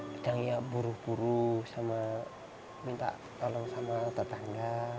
kadang ya buruh buruh sama minta tolong sama tetangga